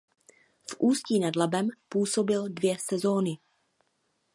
V Ústí nad Labem působil dvě sezóny.